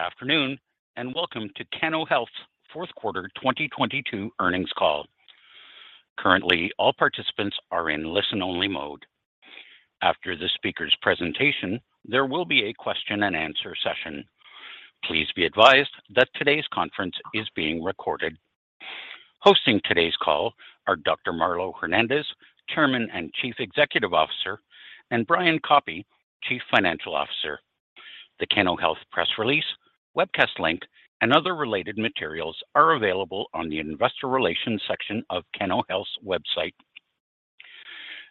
Good afternoon, welcome to Cano Health's fourth quarter 2022 earnings call. Currently, all participants are in listen-only mode. After the speaker's presentation, there will be a question and answer session. Please be advised that today's conference is being recorded. Hosting today's call are Dr. Marlow Hernandez, Chairman and Chief Executive Officer, and Brian Koppy, Chief Financial Officer. The Cano Health press release, webcast link, and other related materials are available on the investor relations section of Cano Health's website.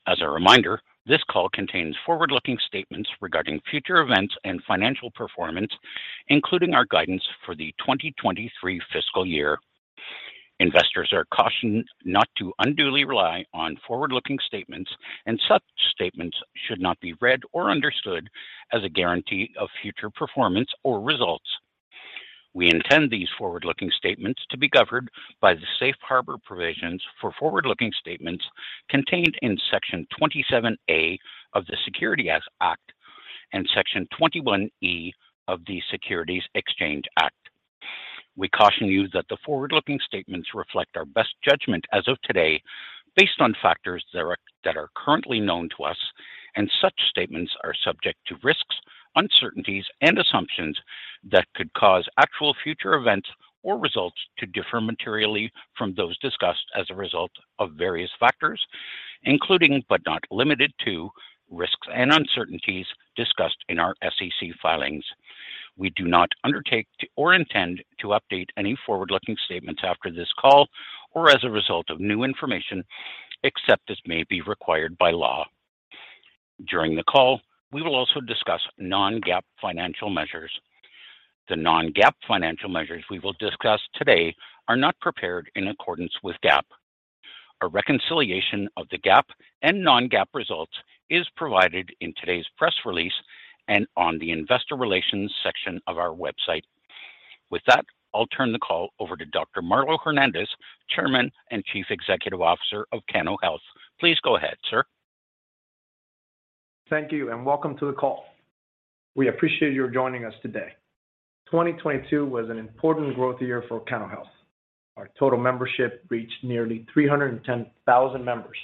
As a reminder, this call contains forward-looking statements regarding future events and financial performance, including our guidance for the 2023 fiscal year. Investors are cautioned not to unduly rely on forward-looking statements, such statements should not be read or understood as a guarantee of future performance or results. We intend these forward-looking statements to be governed by the safe harbor provisions for forward-looking statements contained in Section 27A of the Securities Act and Section 21E of the Securities Exchange Act. We caution you that the forward-looking statements reflect our best judgment as of today based on factors that are currently known to us, and such statements are subject to risks, uncertainties, and assumptions that could cause actual future events or results to differ materially from those discussed as a result of various factors, including, but not limited to, risks and uncertainties discussed in our SEC filings. We do not undertake to or intend to update any forward-looking statements after this call or as a result of new information, except as may be required by law. During the call, we will also discuss non-GAAP financial measures. The non-GAAP financial measures we will discuss today are not prepared in accordance with GAAP. A reconciliation of the GAAP and non-GAAP results is provided in today's press release and on the investor relations section of our website. I'll turn the call over to Dr. Marlow Hernandez, Chairman and Chief Executive Officer of Cano Health. Please go ahead, sir. Thank you. Welcome to the call. We appreciate your joining us today. 2022 was an important growth year for Cano Health. Our total membership reached nearly 310,000 members,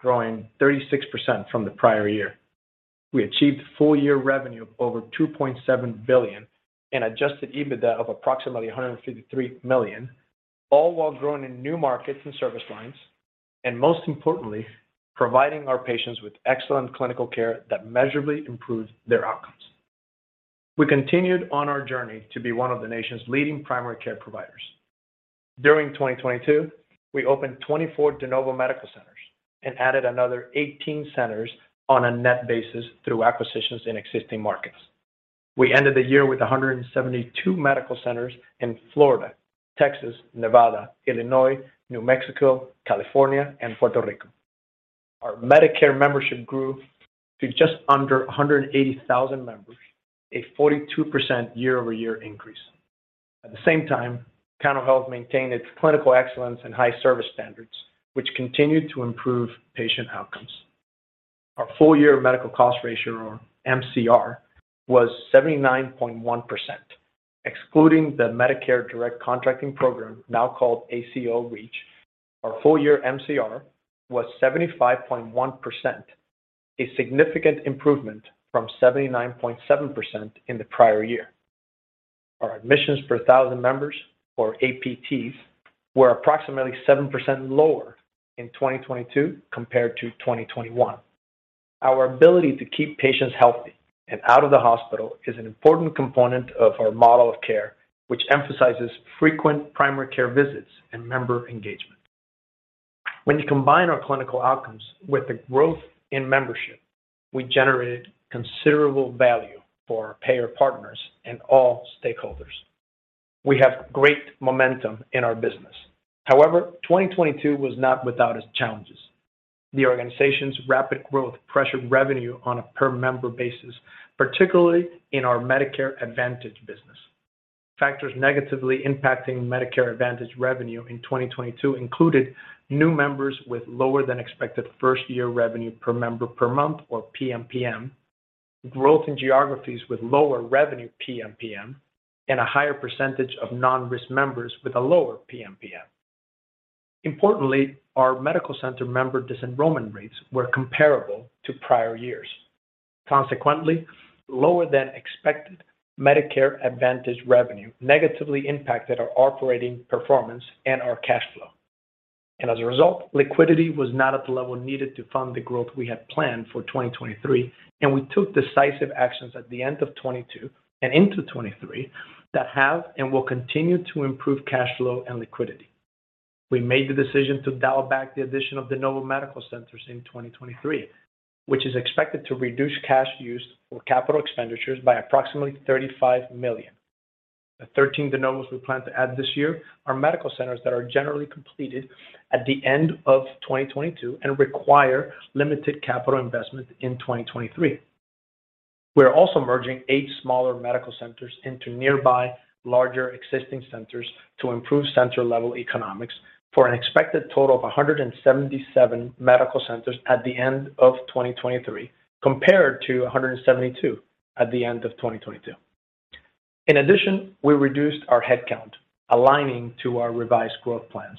growing 36% from the prior year. We achieved full year revenue of over $2.7 billion and adjusted EBITDA of approximately $153 million, all while growing in new markets and service lines, and most importantly, providing our patients with excellent clinical care that measurably improved their outcomes. We continued on our journey to be one of the nation's leading primary care providers. During 2022, we opened 24 de novo medical centers and added another 18 centers on a net basis through acquisitions in existing markets. We ended the year with 172 medical centers in Florida, Texas, Nevada, Illinois, New Mexico, California, and Puerto Rico. Our Medicare membership grew to just under 180,000 members, a 42% year-over-year increase. At the same time, Cano Health maintained its clinical excellence and high service standards, which continued to improve patient outcomes. Our full year medical cost ratio, or MCR, was 79.1%. Excluding the Medicare direct contracting program, now called ACO REACH, our full year MCR was 75.1%, a significant improvement from 79.7% in the prior year. Our admissions per thousand members, or APTs, were approximately 7% lower in 2022 compared to 2021. Our ability to keep patients healthy and out of the hospital is an important component of our model of care, which emphasizes frequent primary care visits and member engagement. When you combine our clinical outcomes with the growth in membership, we generated considerable value for our payer partners and all stakeholders. We have great momentum in our business. However, 2022 was not without its challenges. The organization's rapid growth pressured revenue on a per member basis, particularly in our Medicare Advantage business. Factors negatively impacting Medicare Advantage revenue in 2022 included new members with lower than expected first-year revenue per member per month or PMPM, growth in geographies with lower revenue PMPM, and a higher percentage of non-risk members with a lower PMPM. Importantly, our medical center member disenrollment rates were comparable to prior years. Consequently, lower than expected Medicare Advantage revenue negatively impacted our operating performance and our cash flow. As a result, liquidity was not at the level needed to fund the growth we had planned for 2023, and we took decisive actions at the end of 2022 and into 2023 that have and will continue to improve cash flow and liquidity. We made the decision to dial back the addition of de novo medical centers in 2023, which is expected to reduce cash used for capital expenditures by approximately $35 million. The 13 de novos we plan to add this year are medical centers that are generally completed at the end of 2022 and require limited capital investment in 2023. We are also merging eight smaller medical centers into nearby larger existing centers to improve center-level economics for an expected total of 177 medical centers at the end of 2023, compared to 172 at the end of 2022. We reduced our headcount, aligning to our revised growth plans,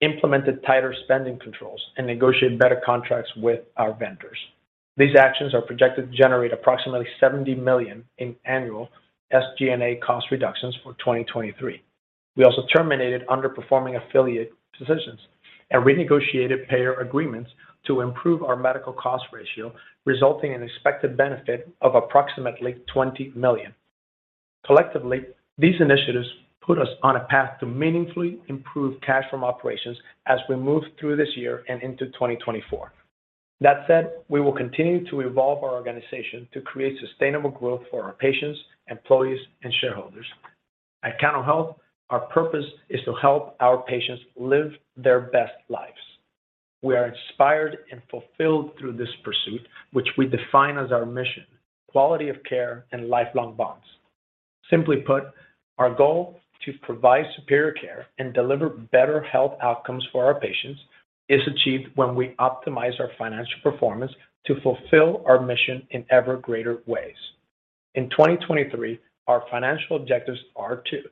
implemented tighter spending controls, and negotiated better contracts with our vendors. These actions are projected to generate approximately $70 million in annual SG&A cost reductions for 2023. We also terminated underperforming affiliate positions and renegotiated payer agreements to improve our medical cost ratio, resulting in expected benefit of approximately $20 million. Collectively, these initiatives put us on a path to meaningfully improve cash from operations as we move through this year and into 2024. That said, we will continue to evolve our organization to create sustainable growth for our patients, employees, and shareholders. At Cano Health, our purpose is to help our patients live their best lives. We are inspired and fulfilled through this pursuit, which we define as our mission: quality of care and lifelong bonds. Simply put, our goal to provide superior care and deliver better health outcomes for our patients is achieved when we optimize our financial performance to fulfill our mission in ever greater ways. In 2023, our financial objectives are to: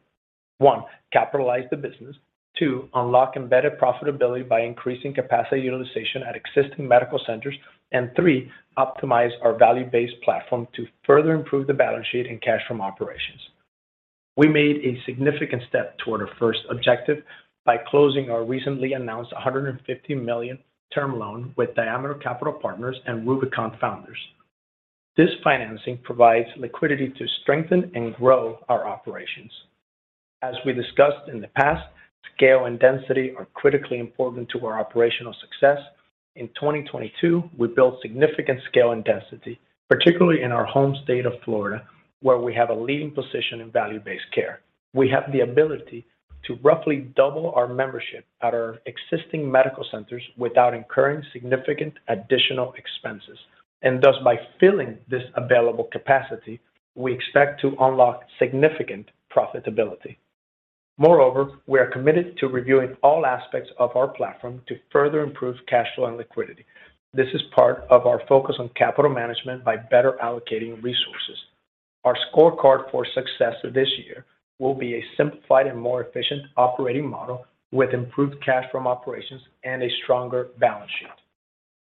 one, capitalize the business, two, unlock embedded profitability by increasing capacity utilization at existing medical centers, and three, optimize our value-based platform to further improve the balance sheet and cash from operations. We made a significant step toward our first objective by closing our recently announced $150 million term loan with Diameter Capital Partners and Rubicon Founders. This financing provides liquidity to strengthen and grow our operations. As we discussed in the past, scale and density are critically important to our operational success. In 2022, we built significant scale and density, particularly in our home state of Florida, where we have a leading position in value-based care. We have the ability to roughly double our membership at our existing medical centers without incurring significant additional expenses. Thus, by filling this available capacity, we expect to unlock significant profitability. Moreover, we are committed to reviewing all aspects of our platform to further improve cash flow and liquidity. This is part of our focus on capital management by better allocating resources. Our scorecard for success this year will be a simplified and more efficient operating model with improved cash from operations and a stronger balance sheet.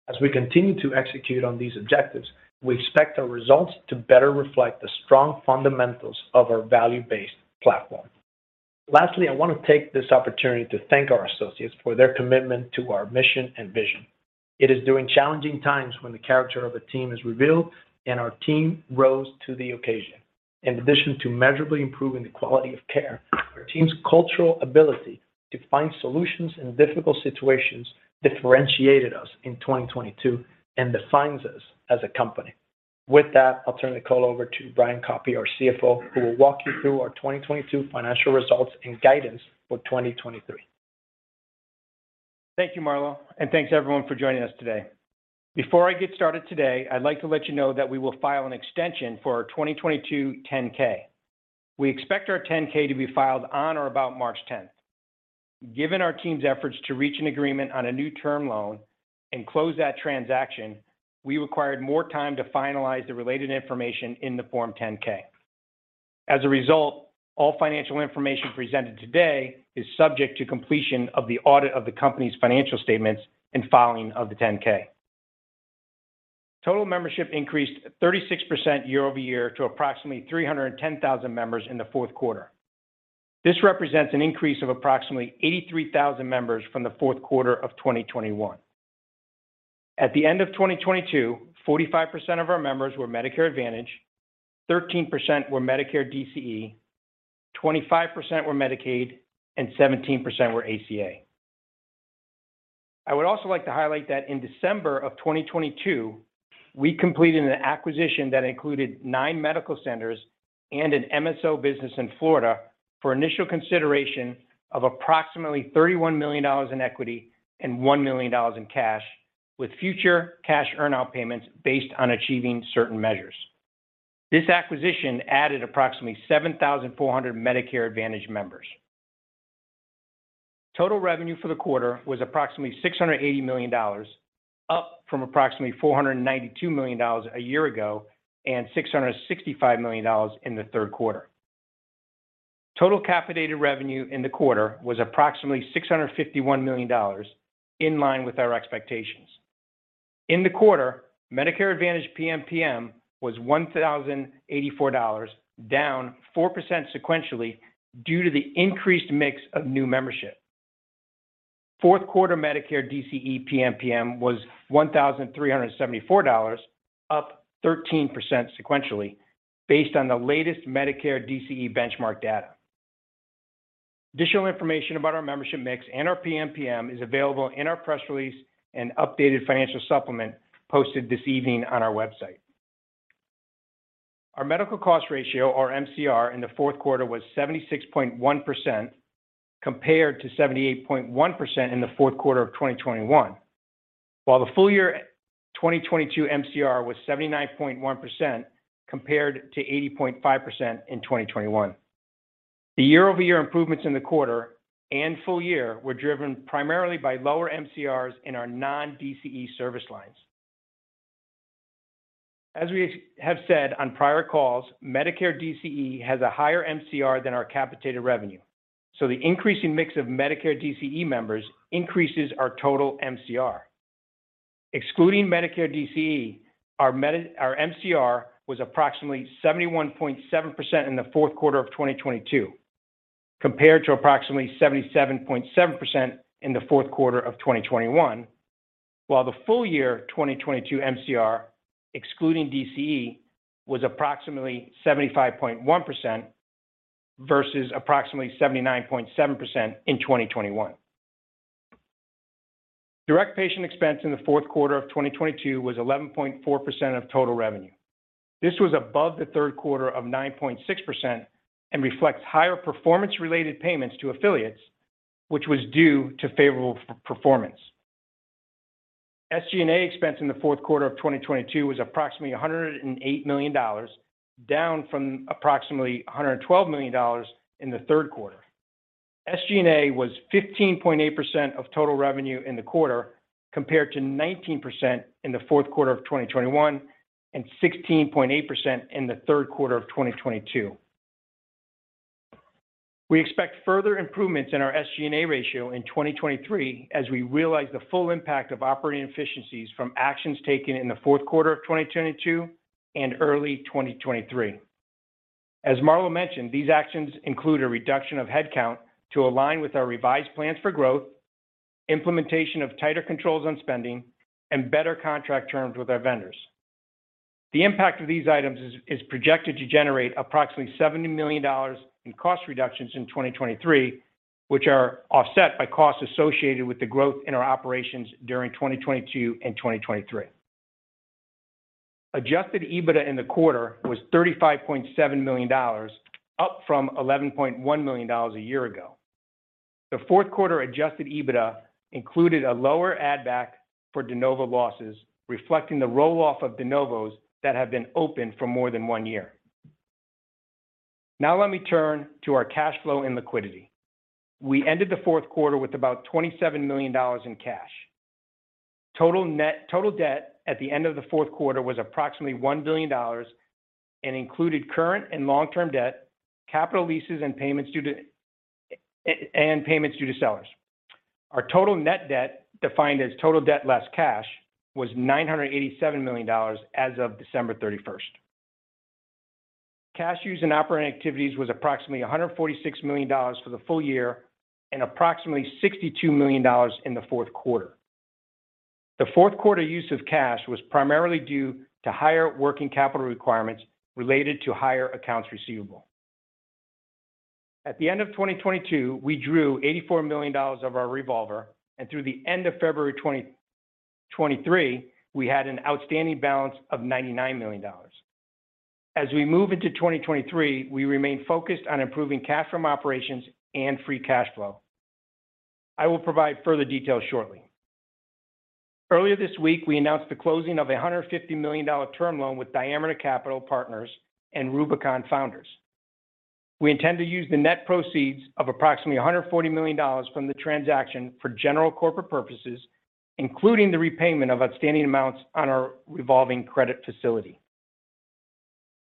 As we continue to execute on these objectives, we expect our results to better reflect the strong fundamentals of our value-based platform. Lastly, I want to take this opportunity to thank our associates for their commitment to our mission and vision. It is during challenging times when the character of a team is revealed, and our team rose to the occasion. In addition to measurably improving the quality of care, our team's cultural ability to find solutions in difficult situations differentiated us in 2022 and defines us as a company. With that, I'll turn the call over to Brian Koppy, our CFO, who will walk you through our 2022 financial results and guidance for 2023. Thank you, Marlow. Thanks everyone for joining us today. Before I get started today, I'd like to let you know that we will file an extension for our 2022 10-K. We expect our 10-K to be filed on or about March 10th. Given our team's efforts to reach an agreement on a new term loan and close that transaction, we required more time to finalize the related information in the Form 10-K. As a result, all financial information presented today is subject to completion of the audit of the company's financial statements and filing of the 10-K. Total membership increased 36% year-over-year to approximately 310,000 members in the fourth quarter. This represents an increase of approximately 83,000 members from the fourth quarter of 2021. At the end of 2022, 45% of our members were Medicare Advantage, 13% were Medicare DCE, 25% were Medicaid, and 17% were ACA. I would also like to highlight that in December of 2022, we completed an acquisition that included 9 medical centers and an MSO business in Florida for initial consideration of approximately $31 million in equity and $1 million in cash, with future cash earn-out payments based on achieving certain measures. This acquisition added approximately 7,400 Medicare Advantage members. Total revenue for the quarter was approximately $680 million, up from approximately $492 million a year ago and $665 million in the third quarter. Total capitated revenue in the quarter was approximately $651 million, in line with our expectations. In the quarter, Medicare Advantage PMPM was $1,084, down 4% sequentially due to the increased mix of new membership. Fourth quarter Medicare DCE PMPM was $1,374, up 13% sequentially based on the latest Medicare DCE benchmark data. Additional information about our membership mix and our PMPM is available in our press release and updated financial supplement posted this evening on our website. Our medical cost ratio, or MCR, in the fourth quarter was 76.1% compared to 78.1% in the fourth quarter of 2021, while the full year 2022 MCR was 79.1% compared to 80.5% in 2021. The year-over-year improvements in the quarter and full year were driven primarily by lower MCRs in our non-DCE service lines. We have said on prior calls, Medicare DCE has a higher MCR than our capitated revenue, so the increasing mix of Medicare DCE members increases our total MCR. Excluding Medicare DCE, our MCR was approximately 71.7% in the fourth quarter of 2022, compared to approximately 77.7% in the fourth quarter of 2021. The full year 2022 MCR, excluding DCE, was approximately 75.1% versus approximately 79.7% in 2021. Direct patient expense in the fourth quarter of 2022 was 11.4% of total revenue. This was above the third quarter of 9.6% and reflects higher performance-related payments to affiliates, which was due to favorable performance. SG&A expense in the fourth quarter of 2022 was approximately $108 million, down from approximately $112 million in the third quarter. SG&A was 15.8% of total revenue in the quarter compared to 19% in the fourth quarter of 2021 and 16.8% in the third quarter of 2022. We expect further improvements in our SG&A ratio in 2023 as we realize the full impact of operating efficiencies from actions taken in the fourth quarter of 2022 and early 2023. As Marlow mentioned, these actions include a reduction of headcount to align with our revised plans for growth, implementation of tighter controls on spending, and better contract terms with our vendors. The impact of these items is projected to generate approximately $70 million in cost reductions in 2023, which are offset by costs associated with the growth in our operations during 2022 and 2023. Adjusted EBITDA in the quarter was $35.7 million, up from $11.1 million a year ago. The fourth quarter Adjusted EBITDA included a lower add back for de novo losses, reflecting the roll-off of de novos that have been open for more than one year. Let me turn to our cash flow and liquidity. We ended the fourth quarter with about $27 million in cash. Total debt at the end of the fourth quarter was approximately $1 billion and included current and long-term debt, capital leases, and payments due to sellers. Our total net debt, defined as total debt less cash, was $987 million as of December 31st. Cash use in operating activities was approximately $146 million for the full year and approximately $62 million in the fourth quarter. The fourth quarter use of cash was primarily due to higher working capital requirements related to higher accounts receivable. At the end of 2022, we drew $84 million of our revolver, and through the end of February 2023, we had an outstanding balance of $99 million. As we move into 2023, we remain focused on improving cash from operations and free cash flow. I will provide further details shortly. Earlier this week, we announced the closing of a $150 million term loan with Diameter Capital Partners and Rubicon Founders. We intend to use the net proceeds of approximately $140 million from the transaction for general corporate purposes, including the repayment of outstanding amounts on our revolving credit facility.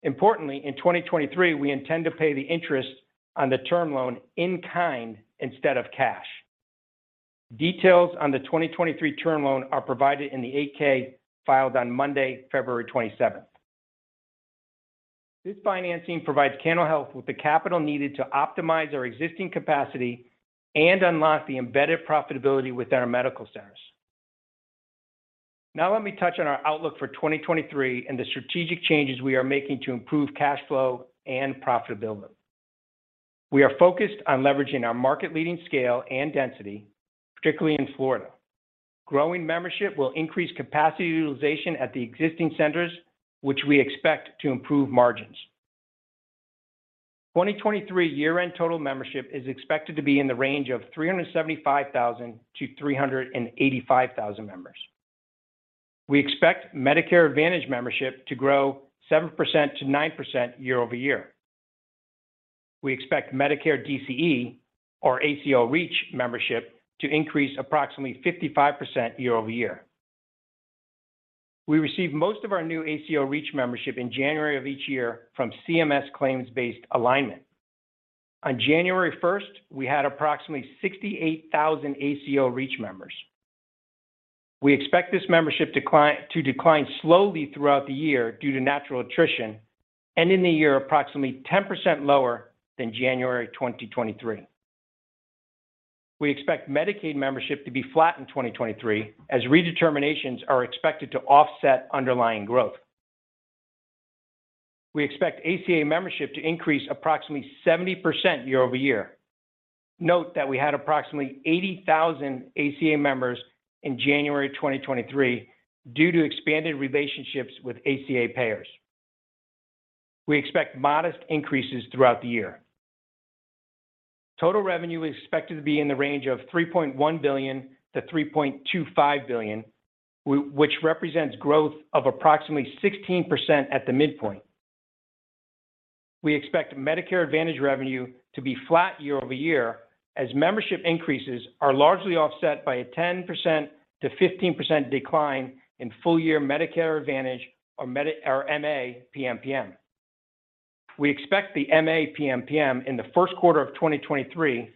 Importantly, in 2023, we intend to pay the interest on the term loan in kind instead of cash. Details on the 2023 term loan are provided in the 8-K filed on Monday, February 27th. This financing provides Cano Health with the capital needed to optimize our existing capacity and unlock the embedded profitability within our medical centers. Let me touch on our outlook for 2023 and the strategic changes we are making to improve cash flow and profitability. We are focused on leveraging our market leading scale and density, particularly in Florida. Growing membership will increase capacity utilization at the existing centers, which we expect to improve margins. 2023 year-end total membership is expected to be in the range of 375,000 to 385,000 members. We expect Medicare Advantage membership to grow 7%-9% year-over-year. We expect Medicare DCE or ACO REACH membership to increase approximately 55% year-over-year. We receive most of our new ACO REACH membership in January of each year from CMS claims-based alignment. On January 1st, we had approximately 68,000 ACO REACH members. We expect this membership to decline slowly throughout the year due to natural attrition, and in the year approximately 10% lower than January 2023. We expect Medicaid membership to be flat in 2023, as redeterminations are expected to offset underlying growth. We expect ACA membership to increase approximately 70% year-over-year. Note that we had approximately 80,000 ACA members in January 2023 due to expanded relationships with ACA payers. We expect modest increases throughout the year. Total revenue is expected to be in the range of $3.1 billion-$3.25 billion, which represents growth of approximately 16% at the midpoint. We expect Medicare Advantage revenue to be flat year-over-year as membership increases are largely offset by a 10%-15% decline in full year Medicare Advantage or MA PMPM. We expect the MA PMPM in the first quarter of 2023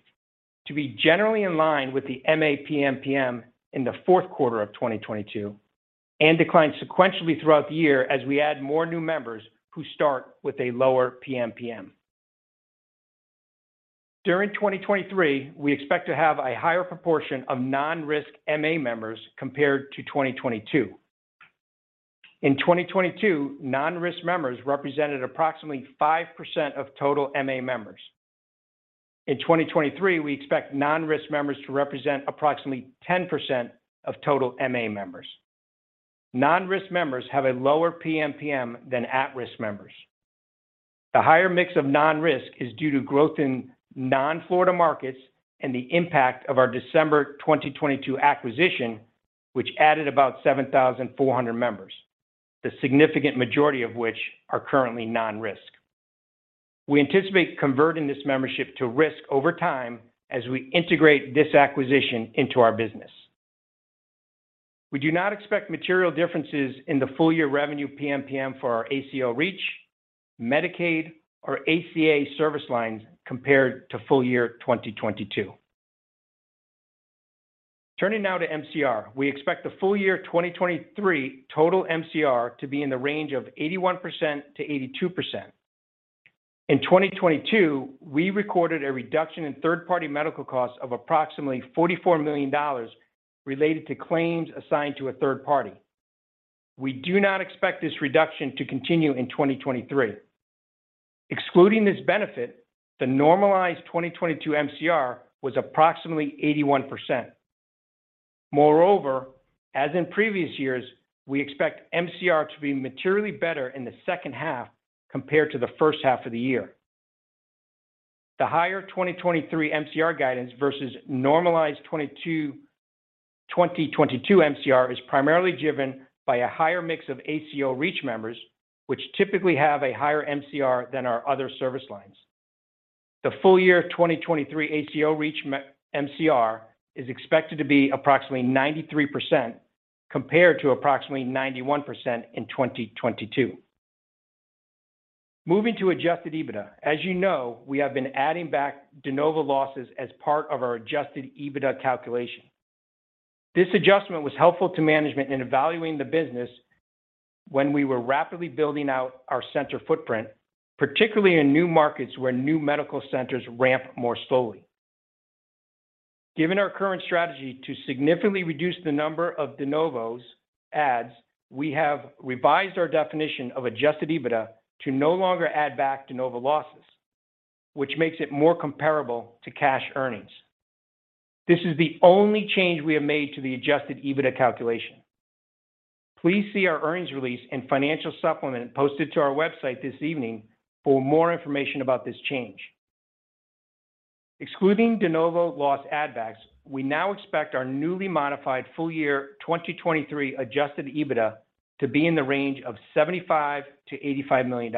to be generally in line with the MA PMPM in the fourth quarter of 2022 and decline sequentially throughout the year as we add more new members who start with a lower PMPM. During 2023, we expect to have a higher proportion of non-risk MA members compared to 2022. In 2022, non-risk members represented approximately 5% of total MA members. In 2023, we expect non-risk members to represent approximately 10% of total MA members. Non-risk members have a lower PMPM than at-risk members. The higher mix of non-risk is due to growth in non-Florida markets and the impact of our December 2022 acquisition, which added about 7,400 members, the significant majority of which are currently non-risk. We anticipate converting this membership to risk over time as we integrate this acquisition into our business. We do not expect material differences in the full year revenue PMPM for our ACO REACH, Medicaid, or ACA service lines compared to full year 2022. Turning now to MCR. We expect the full year 2023 total MCR to be in the range of 81%-82%. In 2022, we recorded a reduction in third-party medical costs of approximately $44 million related to claims assigned to a third party. We do not expect this reduction to continue in 2023. Excluding this benefit, the normalized 2022 MCR was approximately 81%. Moreover, as in previous years, we expect MCR to be materially better in the second half compared to the first half of the year. The higher 2023 MCR guidance versus normalized 2022 MCR is primarily driven by a higher mix of ACO Reach members, which typically have a higher MCR than our other service lines. The full year 2023 ACO Reach MCR is expected to be approximately 93% compared to approximately 91% in 2022. Moving to adjusted EBITDA. As you know, we have been adding back de novo losses as part of our adjusted EBITDA calculation. This adjustment was helpful to management in evaluating the business when we were rapidly building out our center footprint, particularly in new markets where new medical centers ramp more slowly. Given our current strategy to significantly reduce the number of de novos adds, we have revised our definition of adjusted EBITDA to no longer add back de novo losses, which makes it more comparable to cash earnings. This is the only change we have made to the adjusted EBITDA calculation. Please see our earnings release and financial supplement posted to our website this evening for more information about this change. Excluding de novo loss add backs, we now expect our newly modified full year 2023 adjusted EBITDA to be in the range of $75 million-$85 million.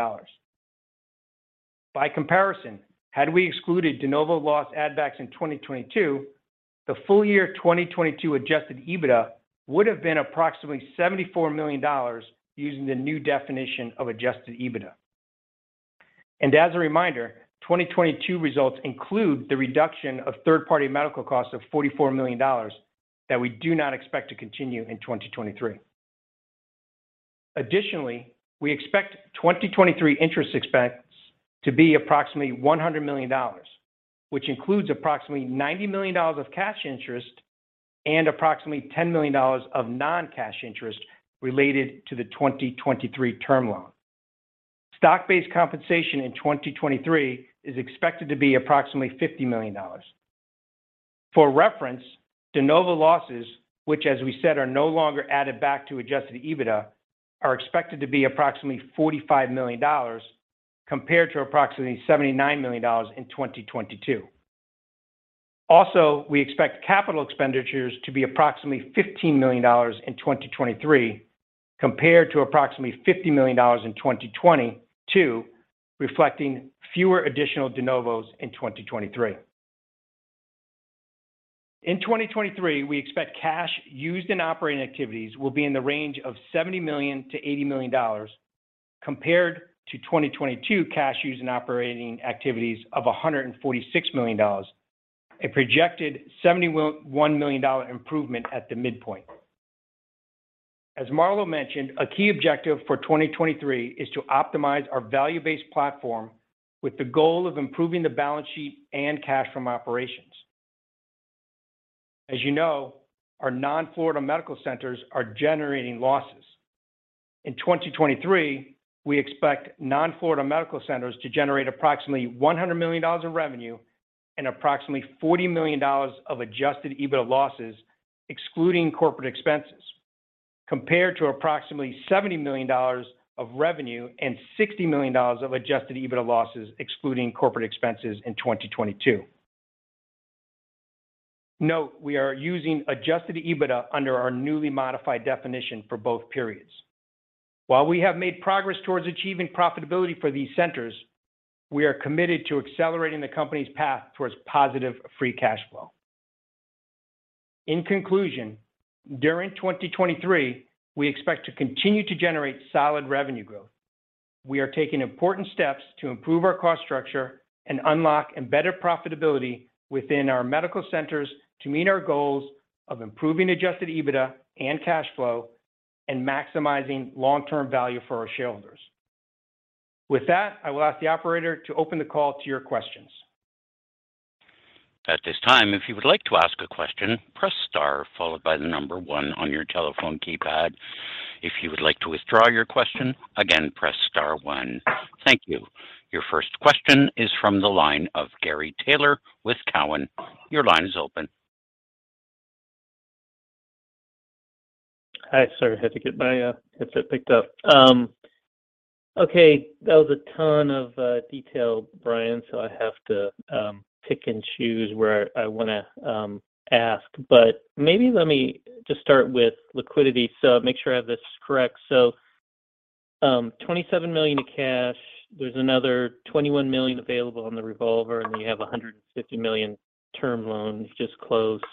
By comparison, had we excluded de novo loss add backs in 2022, the full year 2022 adjusted EBITDA would have been approximately $74 million using the new definition of adjusted EBITDA. As a reminder, 2022 results include the reduction of third-party medical costs of $44 million that we do not expect to continue in 2023. Additionally, we expect 2023 interest expense to be approximately $100 million, which includes approximately $90 million of cash interest and approximately $10 million of non-cash interest related to the 2023 term loan. Stock-based compensation in 2023 is expected to be approximately $50 million. For reference, de novo losses, which as we said, are no longer added back to adjusted EBITDA, are expected to be approximately $45 million compared to approximately $79 million in 2022. We expect capital expenditures to be approximately $15 million in 2023 compared to approximately $50 million in 2022, reflecting fewer additional de novos in 2023. In 2023, we expect cash used in operating activities will be in the range of $70 million-$80 million compared to 2022 cash used in operating activities of $146 million, a projected $71 million improvement at the midpoint. As Marlow mentioned, a key objective for 2023 is to optimize our value-based platform with the goal of improving the balance sheet and cash from operations. As you know, our non-Florida medical centers are generating losses. In 2023, we expect non-Florida medical centers to generate approximately $100 million of revenue and approximately $40 million of adjusted EBITDA losses, excluding corporate expenses, compared to approximately $70 million of revenue and $60 million of adjusted EBITDA losses, excluding corporate expenses in 2022. Note we are using adjusted EBITDA under our newly modified definition for both periods. While we have made progress towards achieving profitability for these centers, we are committed to accelerating the company's path towards positive free cash flow. In conclusion, during 2023, we expect to continue to generate solid revenue growth. We are taking important steps to improve our cost structure and unlock embedded profitability within our medical centers to meet our goals of improving adjusted EBITDA and cash flow and maximizing long-term value for our shareholders. I will ask the operator to open the call to your questions. At this time, if you would like to ask a question, press star followed by one on your telephone keypad. If you would like to withdraw your question, again, press star one. Thank you. Your first question is from the line of Gary Taylor with Cowen. Your line is open. Hi. Sorry, I had to get my headset picked up. Okay, that was a ton of detail, Brian, so I have to pick and choose where I wanna ask. Maybe let me just start with liquidity. Make sure I have this correct. $27 million of cash. There's another $21 million available on the revolver, and you have a $150 million term loan just closed.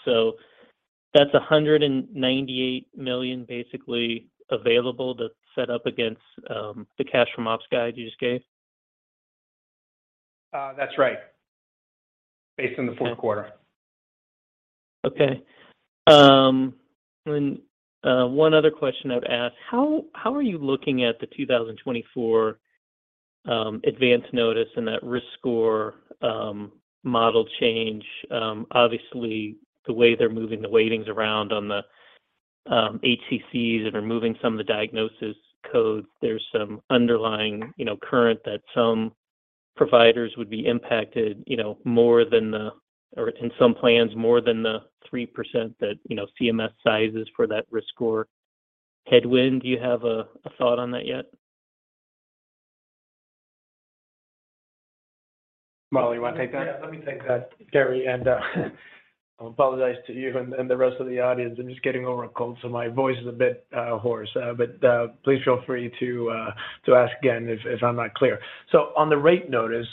That's $198 million basically available to set up against the cash from ops guide you just gave. That's right, based on the fourth quarter. Okay. One other question I'd ask, how are you looking at the 2024 advance notice and that risk score model change? Obviously, the way they're moving the weightings around on the HCCs and removing some of the diagnosis codes, there's some underlying, you know, current that some providers would be impacted, you know, more than the or in some plans, more than the 3% that, you know, CMS sizes for that risk score headwind. Do you have a thought on that yet? Molly, you wanna take that? Yeah, let me take that, Gary. I apologize to you and the rest of the audience. I'm just getting over a cold, so my voice is a bit hoarse. Please feel free to ask again if I'm not clear. On the rate notice,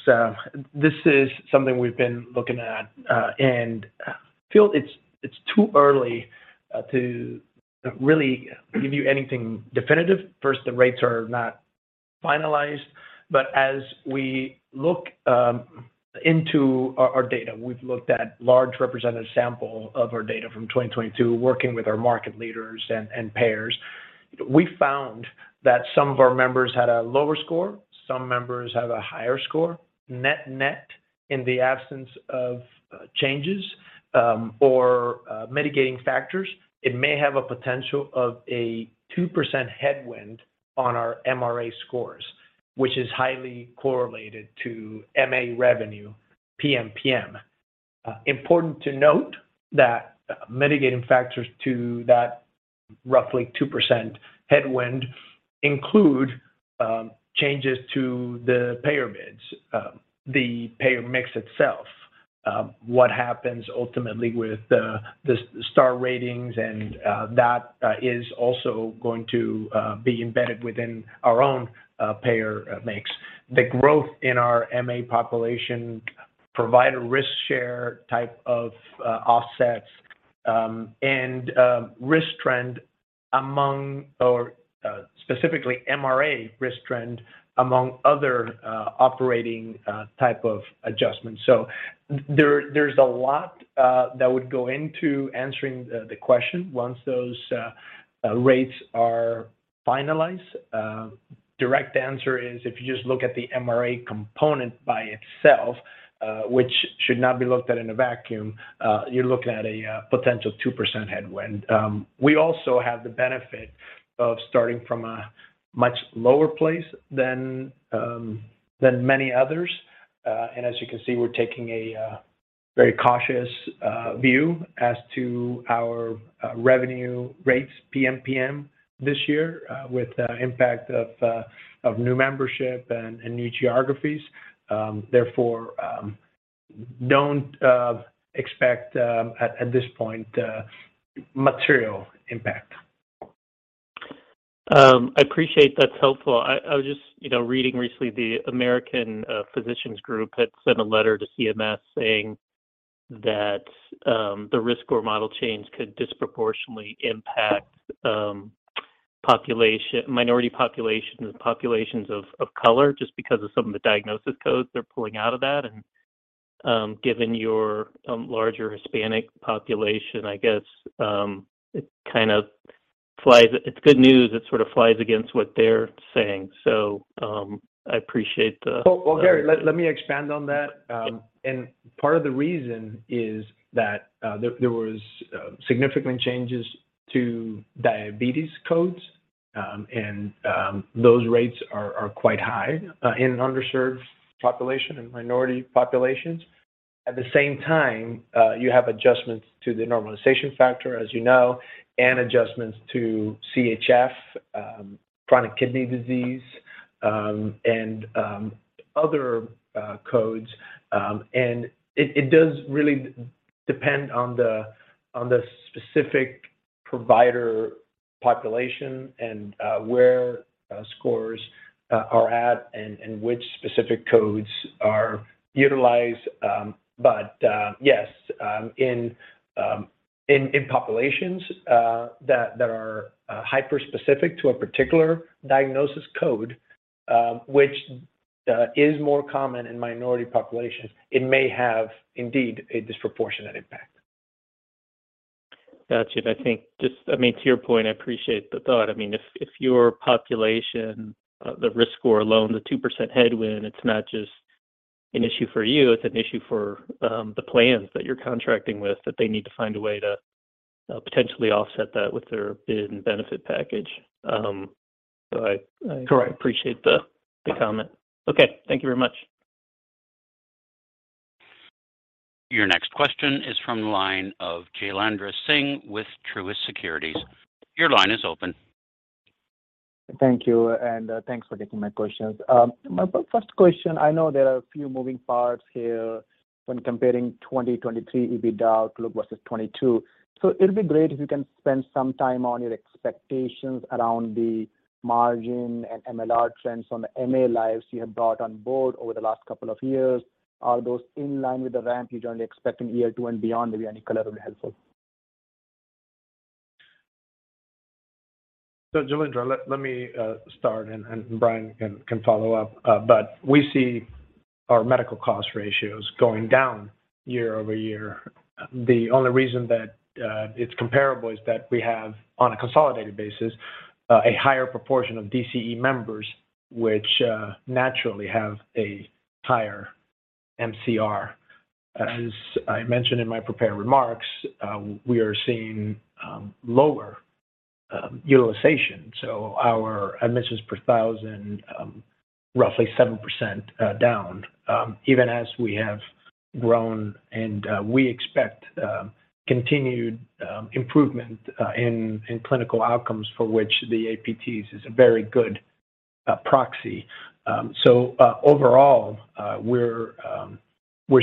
this is something we've been looking at, and feel it's too early to really give you anything definitive. First, the rates are not finalized. As we look into our data, we've looked at large representative sample of our data from 2022, working with our market leaders and payers. We found that some of our members had a lower score, some members have a higher score. Net-net, in the absence of changes, or mitigating factors, it may have a potential of a 2% headwind on our MRA scores, which is highly correlated to MA revenue PMPM. Important to note that mitigating factors to that roughly 2% headwind include changes to the payer bids, the payer mix itself, what happens ultimately with the Star Ratings, and that is also going to be embedded within our own payer mix. The growth in our MA population provide a risk share type of offsets, and risk trend among or specifically MRA risk trend among other operating type of adjustments. There's a lot that would go into answering the question once those rates are finalized. Direct answer is if you just look at the MRA component by itself, which should not be looked at in a vacuum, you're looking at a potential 2% headwind. We also have the benefit of starting from a much lower place than many others. As you can see, we're taking a very cautious view as to our revenue rates PMPM this year, with the impact of new membership and new geographies. Therefore, don't expect at this point material impact. I appreciate. That's helpful. I was just, you know, reading recently America's Physician Groups had sent a letter to CMS saying that the risk or model change could disproportionately impact minority populations of color just because of some of the diagnosis codes they're pulling out of that. Given your larger Hispanic population, I guess, it kind of flies... It's good news. It sort of flies against what they're saying. I appreciate the- Well, Gary, let me expand on that. Part of the reason is that there was significant changes to diabetes codes, and those rates are quite high in underserved population and minority populations. At the same time, you have adjustments to the normalization factor, as you know, and adjustments to CHF, chronic kidney disease, and other codes. It does really depend on the specific provider population and where scores are at, and which specific codes are utilized. Yes, in populations that are hyper-specific to a particular diagnosis code, which is more common in minority populations, it may have indeed a disproportionate impact. Got you. I think just I mean, to your point, I appreciate the thought. I mean, if your population, the risk score alone, the 2% headwind, it's not just an issue for you, it's an issue for the plans that you're contracting with, that they need to find a way to potentially offset that with their bid and benefit package. Correct. Appreciate the comment. Okay. Thank you very much. Your next question is from the line of Jailendra Singh with Truist Securities. Your line is open. Thank you, and thanks for taking my questions. My first question, I know there are a few moving parts here when comparing 2023 EBITDA outlook versus 2022. It'll be great if you can spend some time on your expectations around the margin and MLR trends on the MA lives you have brought on board over the last couple of years. Are those in line with the ramp you're currently expecting year 2 and beyond? Maybe any color would be helpful. Jailendra, let me start, and Brian can follow up. We see our medical cost ratios going down year-over-year. The only reason that it's comparable is that we have, on a consolidated basis, a higher proportion of DCE members which naturally have a higher MCR. As I mentioned in my prepared remarks, we are seeing lower utilization, so our admissions per thousand, roughly 7% down, even as we have grown. We expect continued improvement in clinical outcomes for which the APTs is a very good proxy. Overall, we're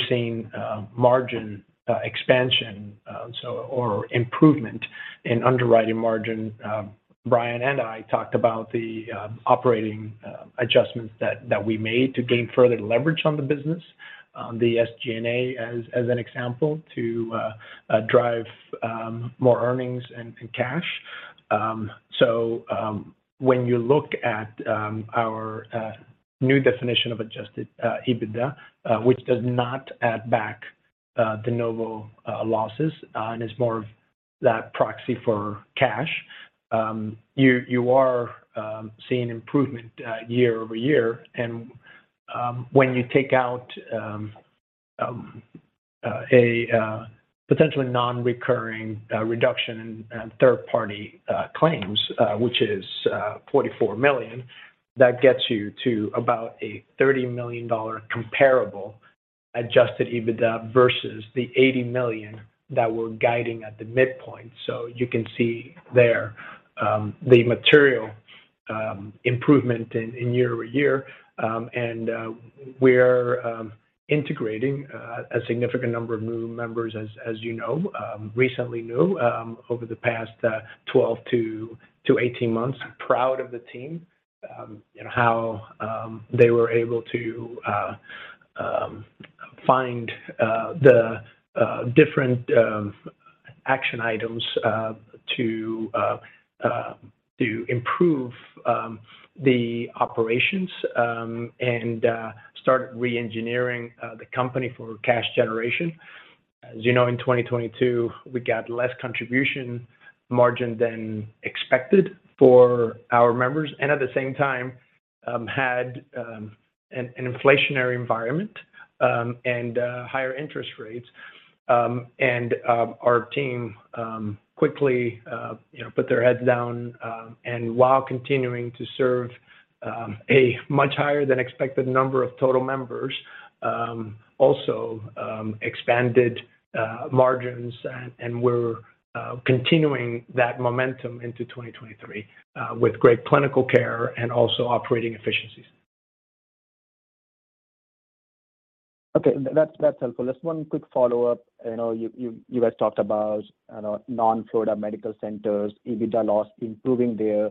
seeing margin expansion, or improvement in underwriting margin. Brian and I talked about the operating adjustments that we made to gain further leverage on the business, the SG&A as an example, to drive more earnings and cash. When you look at our new definition of adjusted EBITDA, which does not add back de novo losses, and is more of that proxy for cash, you are seeing improvement year-over-year. When you take out a potentially non-recurring reduction in third-party claims, which is $44 million, that gets you to about a $30 million comparable adjusted EBITDA versus the $80 million that we're guiding at the midpoint. You can see there the material improvement year-over-year. We're integrating a significant number of new members, as you know, recently new over the past 12-18 months. Proud of the team, they were able to find the different action items to improve the operations and start reengineering the company for cash generation. As you know, in 2022, we got less contribution margin than expected for our members and at the same time, had an inflationary environment and higher interest rates. Our team quickly put their heads down while continuing to serve a much higher than expected number of total members, also expanded margins. We're continuing that momentum into 2023 with great clinical care and also operating efficiencies. Okay. That's helpful. Just 1 quick follow-up. I know you guys talked about non-Florida medical centers, EBITDA loss improving there.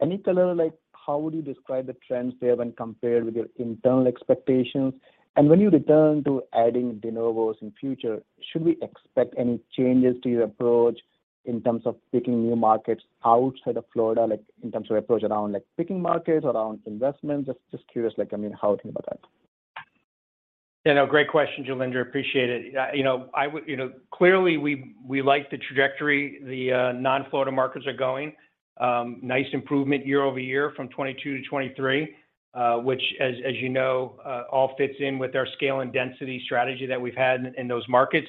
Any color, like how would you describe the trends there when compared with your internal expectations? When you return to adding de novos in future, should we expect any changes to your approach in terms of picking new markets outside of Florida, like in terms of approach around like picking markets, around investments? Just curious, like, I mean, how we think about that. Yeah, no, great question, Jailendra. Appreciate it. You know, clearly, we like the trajectory the non-Florida markets are going. Nice improvement year-over-year from 2022 to 2023, which as you know, all fits in with our scale and density strategy that we've had in those markets.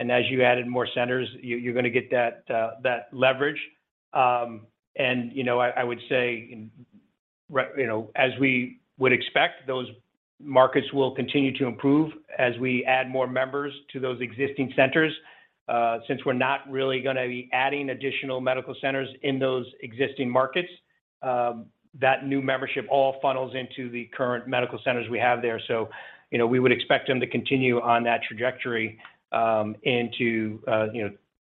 As you added more centers, you're gonna get that leverage. You know, I would say, you know, as we would expect, those Markets will continue to improve as we add more members to those existing centers. Since we're not really gonna be adding additional medical centers in those existing markets, that new membership all funnels into the current medical centers we have there. You know, we would expect them to continue on that trajectory, into, you know,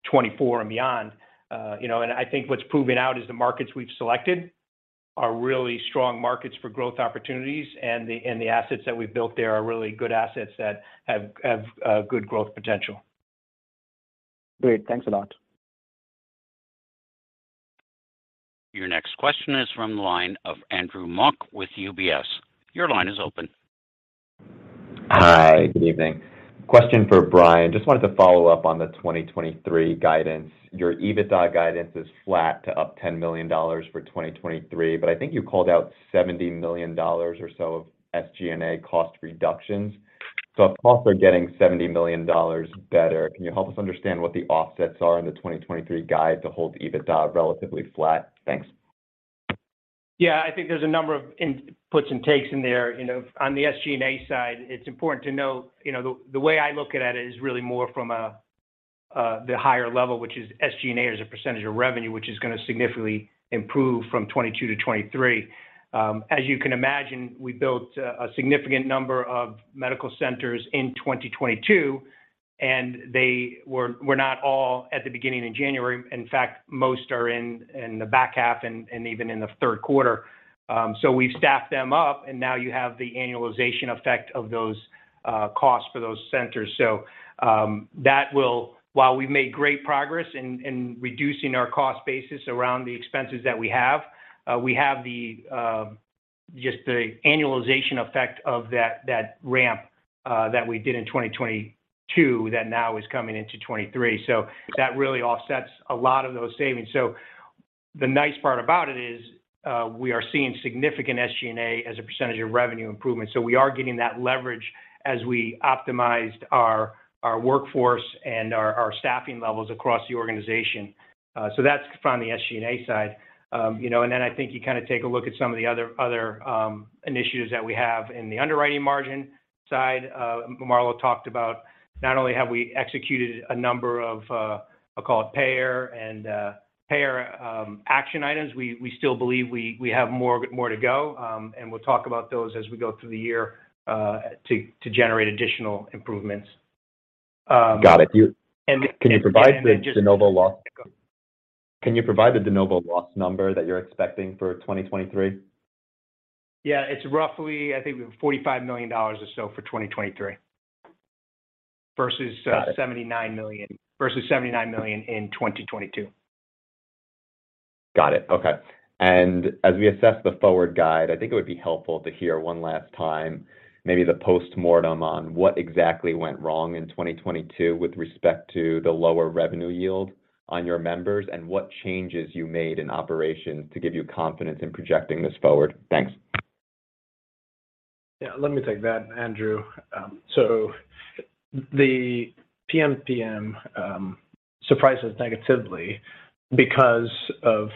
2024 and beyond. You know, and I think what's proving out is the markets we've selected are really strong markets for growth opportunities, and the assets that we've built there are really good assets that have good growth potential. Great. Thanks a lot. Your next question is from the line of Andrew Mok with UBS. Your line is open. Hi, good evening. Question for Brian. Just wanted to follow up on the 2023 guidance. Your EBITDA guidance is flat to up $10 million for 2023, but I think you called out $70 million or so of SG&A cost reductions. If costs are getting $70 million better, can you help us understand what the offsets are in the 2023 guide to hold EBITDA relatively flat? Thanks. Yeah. I think there's a number of inputs and takes in there. You know, on the SG&A side, it's important to note, you know, the way I look at it is really more from a, the higher level, which is SG&A as a percentage of revenue, which is gonna significantly improve from 2022 to 2023. As you can imagine, we built a significant number of medical centers in 2022, and they were not all at the beginning in January. In fact, most are in the back half and, even in the third quarter. We've staffed them up, and now you have the annualization effect of those costs for those centers. That will... While we've made great progress in reducing our cost basis around the expenses that we have, we have the just the annualization effect of that ramp that we did in 2022 that now is coming into 2023. That really offsets a lot of those savings. The nice part about it is, we are seeing significant SG&A as a percentage of revenue improvement. We are getting that leverage as we optimized our workforce and our staffing levels across the organization. That's from the SG&A side. you know, I think you kinda take a look at some of the other initiatives that we have in the underwriting margin side, Marlow talked about not only have we executed a number of, I'll call it payer and payer action items, we still believe we have more to go, and we'll talk about those as we go through the year to generate additional improvements. Got it. And it, it- Can you provide the de novo loss- Can you provide the de novo loss number that you're expecting for 2023? Yeah. It's roughly, I think, $45 million or so for 2023 versus- Got it. -$79 million, versus $79 million in 2022. Got it. Okay. As we assess the forward guide, I think it would be helpful to hear one last time, maybe the postmortem on what exactly went wrong in 2022 with respect to the lower revenue yield on your members and what changes you made in operations to give you confidence in projecting this forward. Thanks. Yeah. Let me take that, Andrew. The PMPM surprised us negatively because of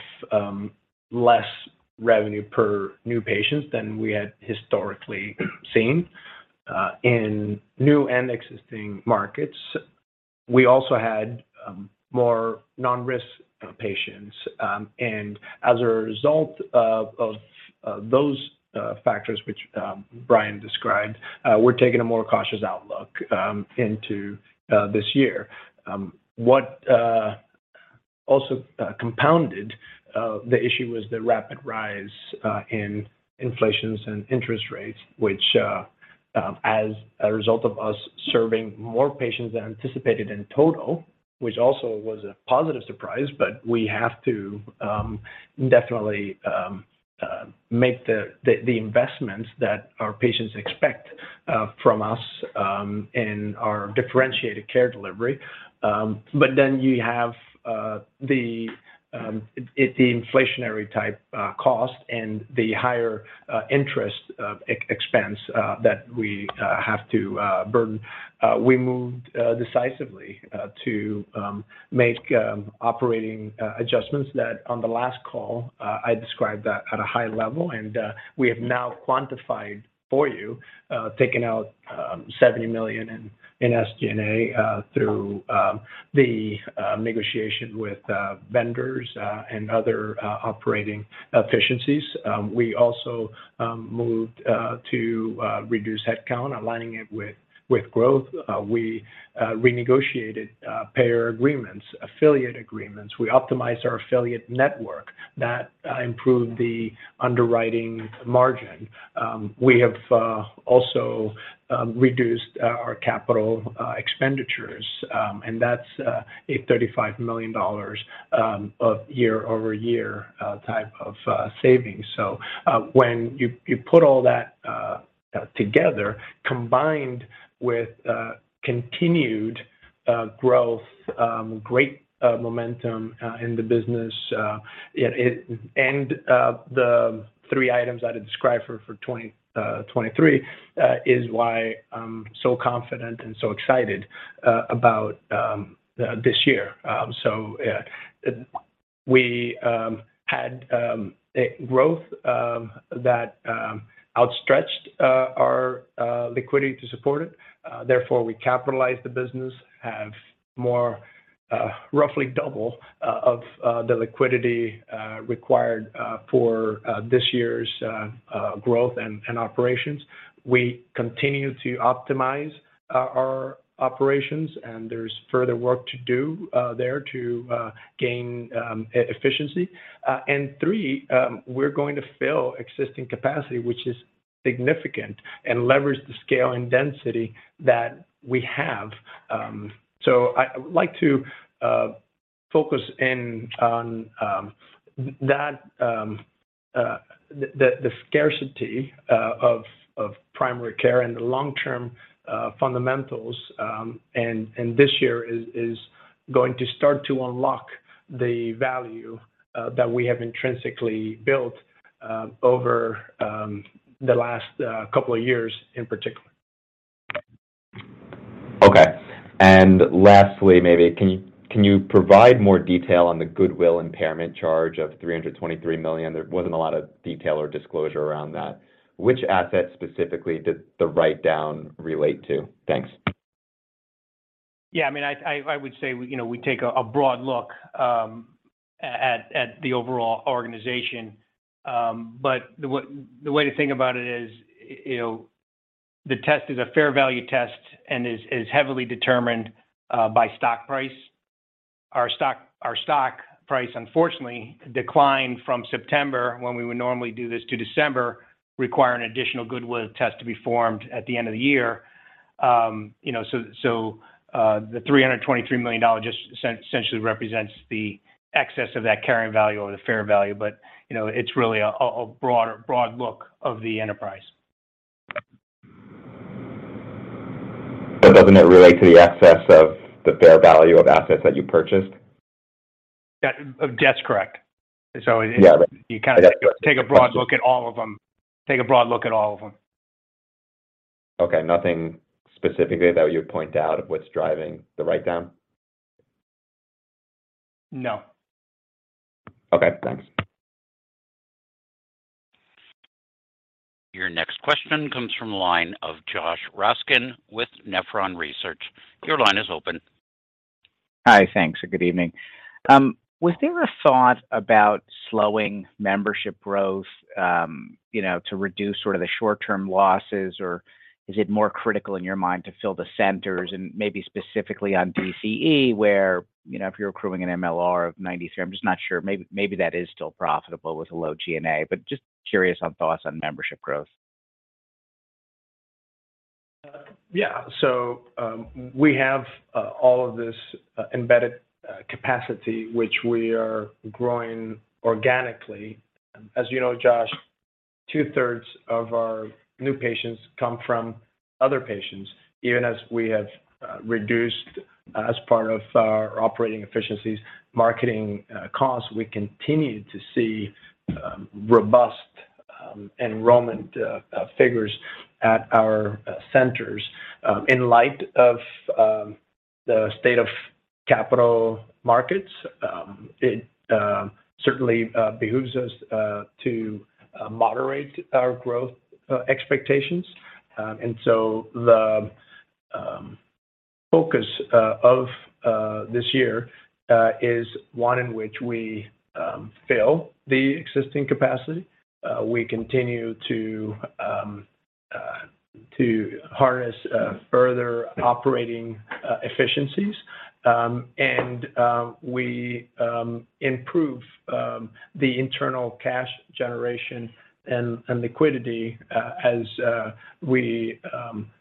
less revenue per new patients than we had historically seen in new and existing markets. We also had more non-risk patients. As a result of those factors, which Brian described, we're taking a more cautious outlook into this year. What also compounded the issue was the rapid rise in inflation and interest rates, which as a result of us serving more patients than anticipated in total, which also was a positive surprise, but we have to definitely make the investments that our patients expect from us in our differentiated care delivery. You have the inflationary type cost and the higher interest expense that we have to burden. We moved decisively to make operating adjustments that on the last call I described that at a high level, and we have now quantified for you taking out $70 million in SG&A through the negotiation with vendors and other operating efficiencies. We also moved to reduce headcount, aligning it with growth. We renegotiated payer agreements, affiliate agreements. We optimized our affiliate network. That improved the underwriting margin. We have also reduced our capital expenditures, and that's $35 million of year-over-year type of savings. When you put all that together, combined with continued growth, great momentum in the business, and the three items that I described for 2023 is why I'm so confident and so excited about this year. We had a growth that outstretched our liquidity to support it. Therefore, we capitalized the business, have more, roughly double, of the liquidity required for this year's growth and operations. We continue to optimize our operations, and there's further work to do there to gain efficiency. Three, we're going to fill existing capacity, which is significant and leverage the scale and density that we have. I would like to focus in on that, the scarcity of primary care and the long-term fundamentals. This year is going to start to unlock the value that we have intrinsically built over the last couple of years in particular. Okay. Lastly, maybe can you provide more detail on the goodwill impairment charge of $323 million? There wasn't a lot of detail or disclosure around that. Which asset specifically did the write-down relate to? Thanks. Yeah, I mean, I would say, you know, we take a broad look at the overall organization. The way to think about it is, you know, the test is a fair value test and is heavily determined by stock price. Our stock price, unfortunately, declined from September, when we would normally do this, to December, require an additional goodwill test to be formed at the end of the year. You know, the $323 million just essentially represents the excess of that carrying value over the fair value. You know, it's really a broad look of the enterprise. Doesn't it relate to the excess of the fair value of assets that you purchased? Yeah. That's correct. Yeah. You kinda take a broad look at all of them. Okay. Nothing specifically that you would point out of what's driving the write-down? No. Okay. Thanks. Your next question comes from line of Josh Raskin with Nephron Research. Your line is open. Hi. Thanks. Good evening. Was there a thought about slowing membership growth, you know, to reduce sort of the short-term losses, or is it more critical in your mind to fill the centers and maybe specifically on DCE where, you know, if you're accruing an MLR of 93%? I'm just not sure. Maybe that is still profitable with a low SG&A, but just curious on thoughts on membership growth. We have all of this embedded capacity which we are growing organically. As you know, Josh, two-thirds of our new patients come from other patients. Even as we have reduced as part of our operating efficiencies marketing costs, we continue to see robust enrollment figures at our centers. In light of the state of capital markets, it certainly behooves us to moderate our growth expectations. The focus of this year is one in which we fill the existing capacity. We continue to harness further operating efficiencies. We improve the internal cash generation and liquidity as we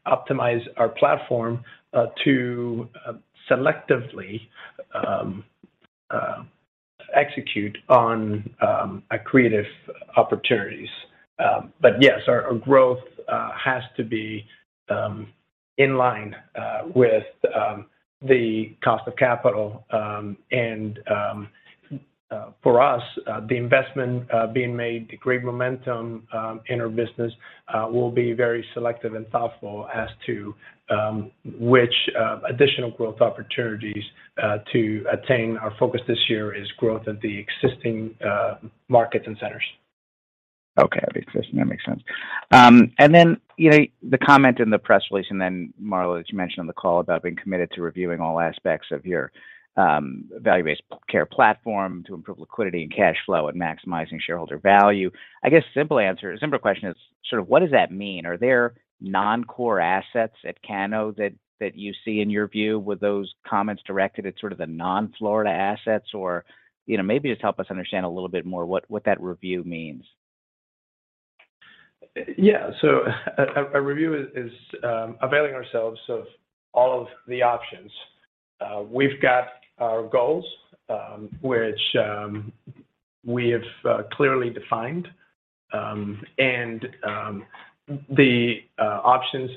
optimize our platform to selectively execute on accretive opportunities. Yes, our growth has to be in line with the cost of capital. For us, the investment being made, the great momentum in our business, we'll be very selective and thoughtful as to which additional growth opportunities to attain. Our focus this year is growth of the existing markets and centers. Okay. That makes sense. That makes sense. Then, you know, the comment in the press release and then Marla that you mentioned on the call about being committed to reviewing all aspects of your value-based care platform to improve liquidity and cash flow and maximizing shareholder value. I guess simple question is sort of what does that mean? Are there non-core assets at Cano that you see in your view? Were those comments directed at sort of the non-Florida assets? You know, maybe just help us understand a little bit more what that review means. Yeah. So a review is availing ourselves of all of the options. We've got our goals, which we have clearly defined. The options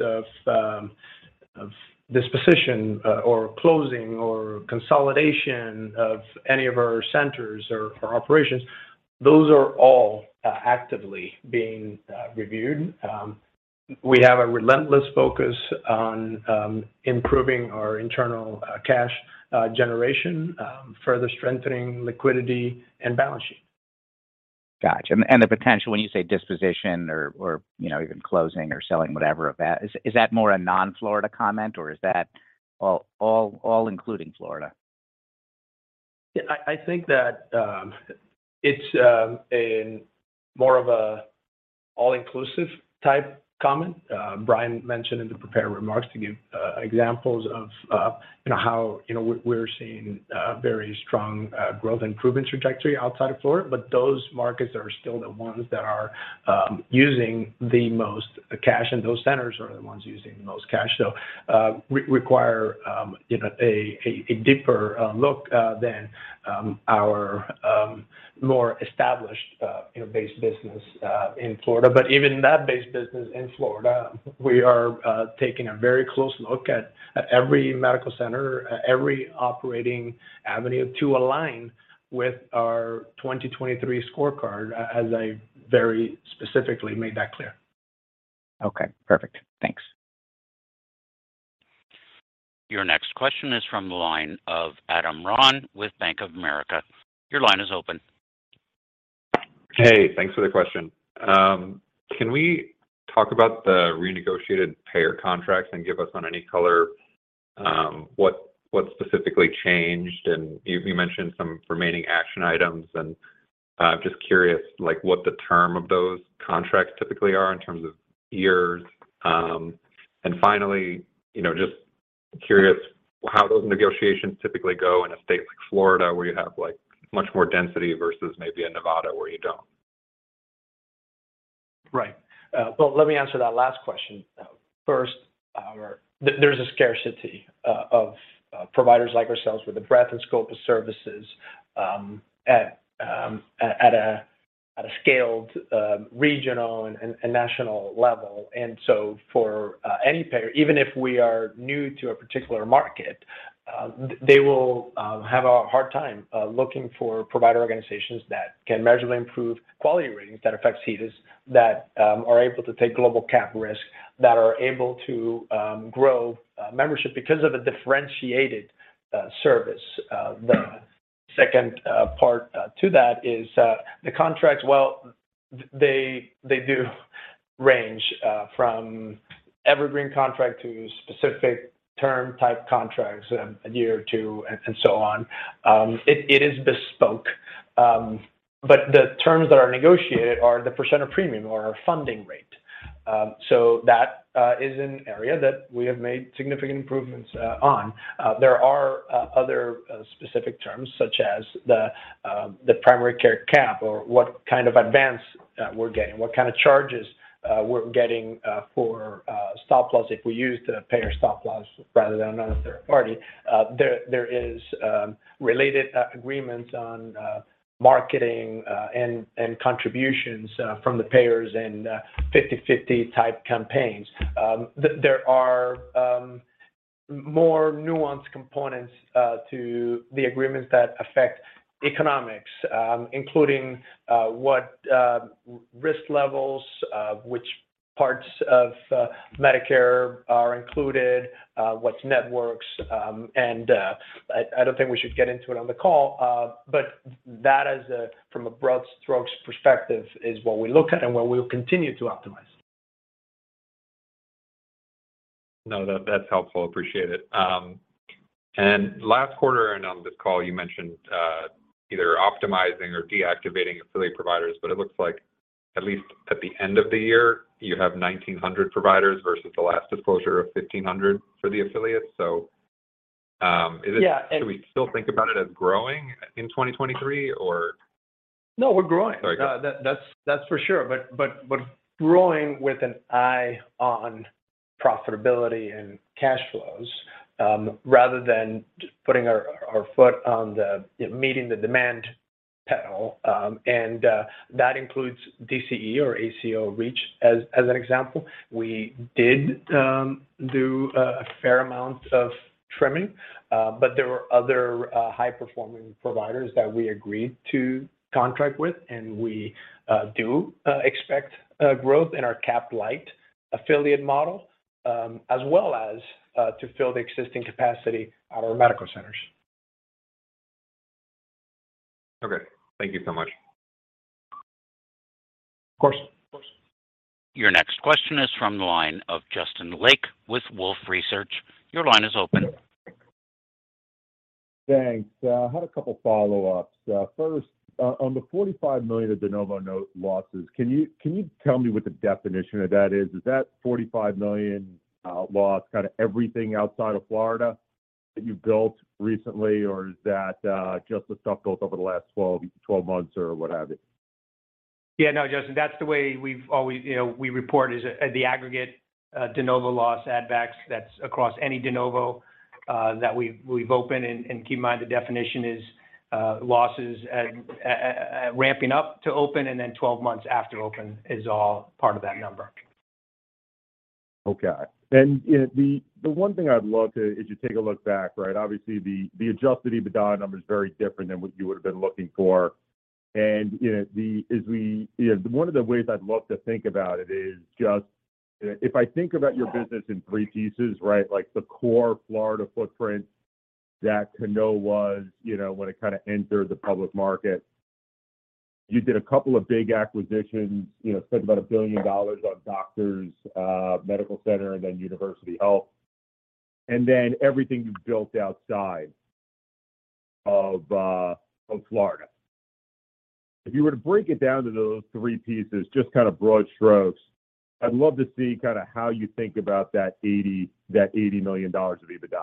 of disposition, or closing or consolidation of any of our centers or operations. Those are all actively being reviewed. We have a relentless focus on improving our internal cash generation, further strengthening liquidity and balance sheet. Got you. The potential when you say disposition or, you know, even closing or selling whatever of that, is that more a non-Florida comment or is that all including Florida? Yeah, I think that, it's a more of a all-inclusive type comment. Brian mentioned in the prepared remarks to give examples of, you know, how, you know, we're seeing a very strong growth improvement trajectory outside of Florida. Those markets are still the ones that are using the most cash, and those centers are the ones using the most cash. Re-require, you know, a deeper look than our more established, you know, base business in Florida. Even that base business in Florida, we are taking a very close look at every medical center, at every operating avenue to align with our 2023 scorecard, as I very specifically made that clear. Okay, perfect. Thanks. Your next question is from the line of Adam Ron with Bank of America. Your line is open. Hey, thanks for the question. Can we talk about the renegotiated payer contracts and give us on any color, what specifically changed? You mentioned some remaining action items, and I'm just curious, like, what the term of those contracts typically are in terms of years. Finally, you know, just curious, how do negotiations typically go in a state like Florida, where you have, like, much more density versus maybe in Nevada, where you don't? Right. Well, let me answer that last question. First, there's a scarcity of providers like ourselves with the breadth and scope of services at a scaled regional and national level. For any payer, even if we are new to a particular market, they will have a hard time looking for provider organizations that can measurably improve quality ratings that affects HEDIS, that are able to take global cap risk, that are able to grow membership because of a differentiated service. The second part to that is the contracts, well, they do range from evergreen contract to specific term type contracts, a year or two and so on. It is bespoke. The terms that are negotiated are the percent of premium or our funding rate. That is an area that we have made significant improvements on. There are other specific terms such as the primary care cap or what kind of advance we're getting, what kind of charges we're getting for stop-loss if we use the payer stop-loss rather than another third party. There is related agreements on marketing and contributions from the payers in 50-50 type campaigns. There are more nuanced components to the agreements that affect economics, including what risk levels, which parts of Medicare are included, what's networks. I don't think we should get into it on the call, but that from a broad strokes perspective is what we look at and what we'll continue to optimize. No, that's helpful. Appreciate it. Last quarter and on this call, you mentioned either optimizing or deactivating affiliate providers, but it looks like at least at the end of the year, you have 1,900 providers versus the last disclosure of 1,500 for the affiliates. Is it? Yeah. Do we still think about it as growing in 2023 or? No, we're growing. Okay. That's for sure. Growing with an eye on profitability and cash flows, rather than putting our foot on the, you know, meeting the demand pedal. That includes DCE or ACO REACH as an example. We did do a fair amount of trimming, but there were other high-performing providers that we agreed to contract with, and we do expect growth in our cap lite affiliate model as well as to fill the existing capacity at our medical centers. Okay. Thank you so much. Of course. Of course. Your next question is from the line of Justin Lake with Wolfe Research. Your line is open. Thanks. I had a couple of follow-ups. First, on the $45 million of de novo losses, can you tell me what the definition of that is? Is that $45 million, loss kinda everything outside of Florida that you've built recently, or is that, just the stuff built over the last 12 months or what have you? No, Justin, that's the way we've always, you know, we report is at the aggregate de novo loss add backs. That's across any de novo that we've opened. Keep in mind, the definition is losses at ramping up to open and then 12 months after open is all part of that number. Okay. You know, the one thing I'd love to if you take a look back, right? Obviously, the adjusted EBITDA number is very different than what you would have been looking for. You know, as we, you know, one of the ways I'd love to think about it is just if I think about your business in three pieces, right? Like the core Florida footprint that Cano was, you know, when it kind of entered the public market. You did a couple of big acquisitions, you know, spent about $1 billion on Doctors Medical Center and then University Health, and then everything you've built outside of Florida. If you were to break it down to those three pieces, just kind of broad strokes, I'd love to see kind of how you think about that 80, that $80 million of EBITDA.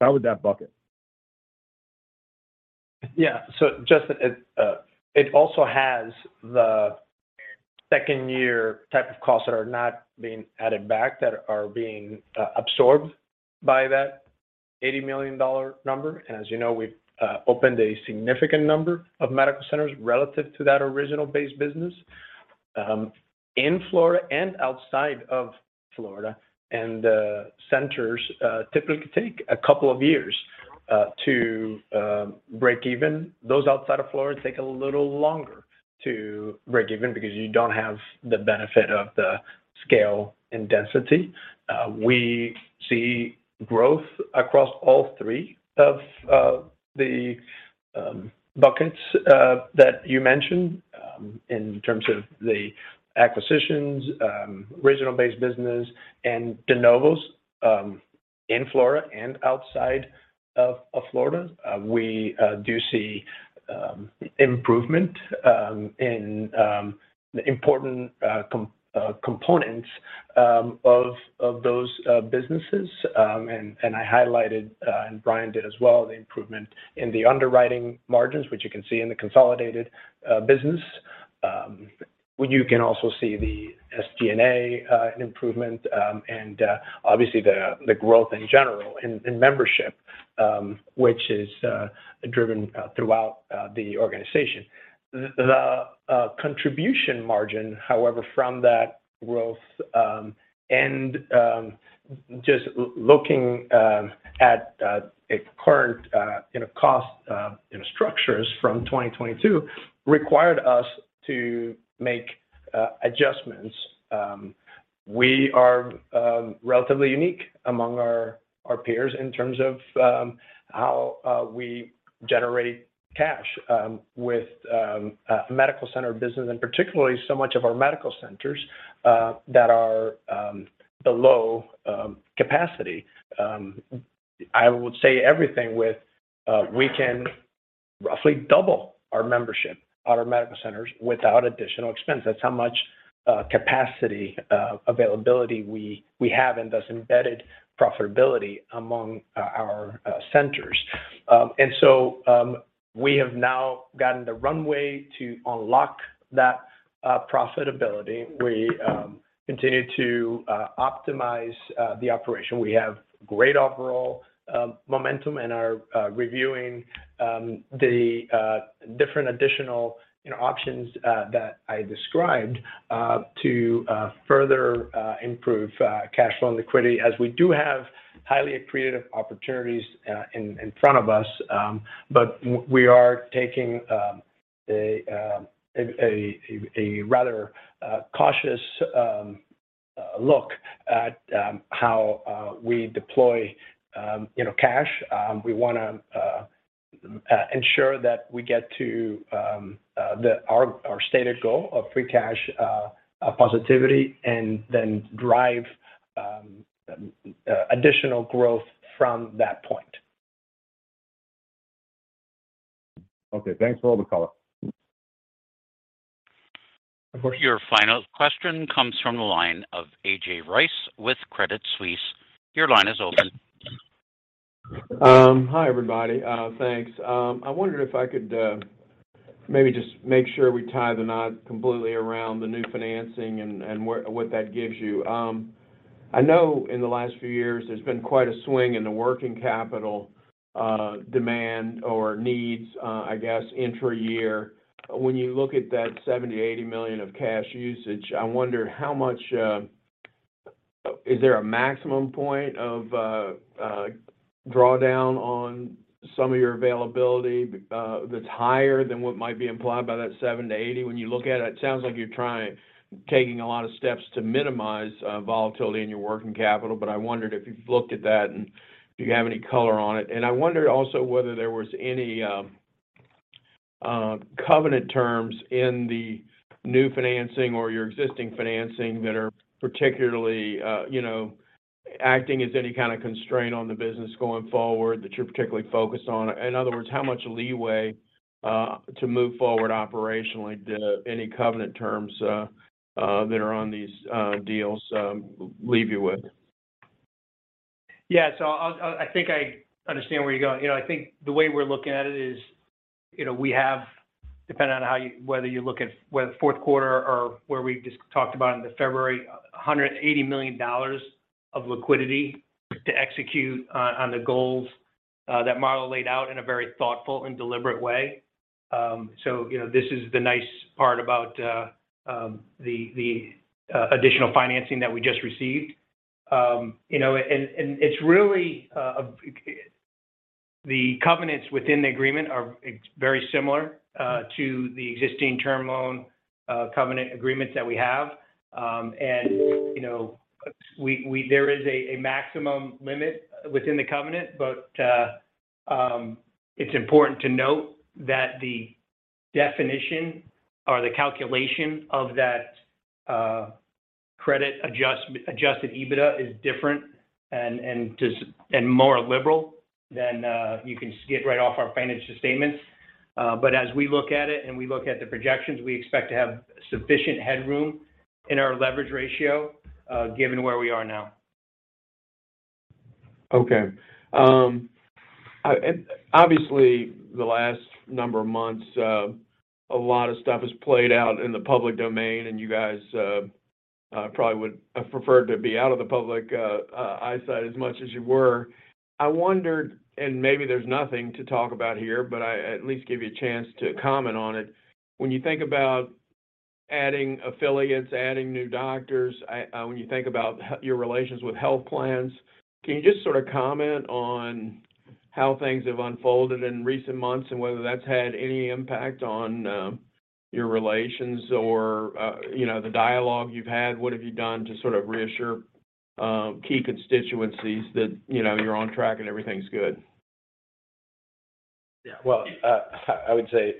How would that bucket? Justin, it also has the second year type of costs that are not being added back that are being absorbed by that $80 million number. As you know, we've opened a significant number of medical centers relative to that original base business, in Florida and outside of Florida. The centers typically take a couple of years to break even. Those outside of Florida take a little longer to break even because you don't have the benefit of the scale and density. We see growth across all three of the buckets that you mentioned, in terms of the acquisitions, regional based business and de novos, in Florida and outside of Florida. We do see improvement in important components of those businesses. I highlighted, and Brian did as well, the improvement in the underwriting margins, which you can see in the consolidated business. You can also see the SG&A improvement, and obviously the growth in general in membership, which is driven throughout the organization. The contribution margin, however, from that growth, and just looking at a current, you know, cost structures from 2022 required us to make adjustments. We are relatively unique among our peers in terms of how we generate cash with a medical center business, and particularly so much of our medical centers that are below capacity. I would say everything with we can roughly double our membership at our medical centers without additional expense. That's how much capacity availability we have and thus embedded profitability among our centers. We have now gotten the runway to unlock that profitability. We continue to optimize the operation. We have great overall momentum and are reviewing the different additional, you know, options that I described to further improve cash flow and liquidity as we do have highly accretive opportunities in front of us. We are taking a rather cautious look at how we deploy, you know, cash. We wanna ensure that we get to our stated goal of free cash positivity and then drive additional growth from that point. Okay. Thanks for all the color. Your final question comes from the line of A.J. Rice with Credit Suisse. Your line is open. Hi, everybody. Thanks. I wondered if I could maybe just make sure we tie the knot completely around the new financing and what that gives you. I know in the last few years, there's been quite a swing in the working capital, demand or needs, I guess, intra-year. When you look at that $70 million-$80 million of cash usage, I wonder how much is there a maximum point of drawdown on some of your availability, that's higher than what might be implied by that $70-$80? When you look at it sounds like you're taking a lot of steps to minimize volatility in your working capital. I wondered if you've looked at that and do you have any color on it? I wondered also whether there was any covenant terms in the new financing or your existing financing that are particularly, you know, acting as any kind of constraint on the business going forward that you're particularly focused on? In other words, how much leeway to move forward operationally do any covenant terms that are on these deals leave you with? Yeah. I think I understand where you're going. You know, I think the way we're looking at it is, you know, we have, depending on how whether you look at whether fourth quarter or where we just talked about in the February, $180 million of liquidity to execute on the goals. That model laid out in a very thoughtful and deliberate way. You know, this is the nice part about the additional financing that we just received. You know, and it's really the covenants within the agreement are very similar to the existing term loan covenant agreements that we have. And, you know, there is a maximum limit within the covenant, but it's important to note that the definition or the calculation of that credit-adjusted EBITDA is different and more liberal than you can get right off our financial statements. But as we look at it and we look at the projections, we expect to have sufficient headroom in our leverage ratio, given where we are now. Okay. Obviously, the last number of months, a lot of stuff has played out in the public domain, and you guys probably would have preferred to be out of the public eyesight as much as you were. I wondered, and maybe there's nothing to talk about here, but I at least give you a chance to comment on it. When you think about adding affiliates, adding new doctors, when you think about your relations with health plans, can you just sort of comment on how things have unfolded in recent months and whether that's had any impact on your relations or, you know, the dialogue you've had? What have you done to sort of reassure key constituencies that, you know, you're on track and everything's good? Yeah. Well, I would say,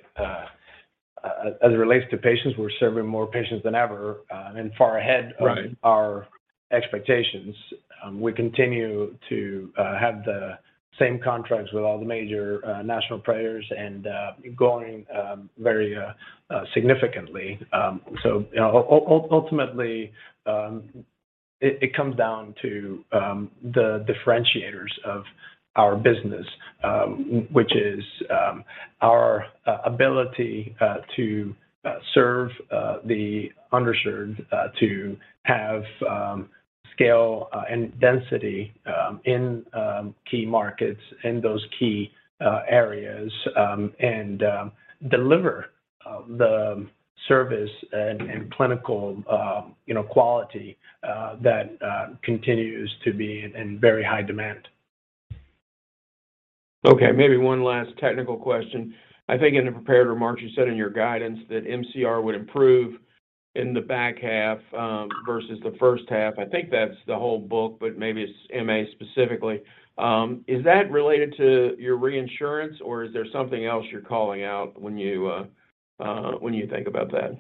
as it relates to patients, we're serving more patients than ever- Right -of our expectations. We continue to have the same contracts with all the major national players and going very significantly. You know, ultimately, it comes down to the differentiators of our business, which is our ability to serve the underserved, to have scale and density in key markets in those key areas, and deliver the service and clinical, you know, quality that continues to be in very high demand. Okay, maybe one last technical question. I think in the prepared remarks, you said in your guidance that MCR would improve in the back half, versus the first half. I think that's the whole book, but maybe it's MA specifically. Is that related to your reinsurance, or is there something else you're calling out when you think about that?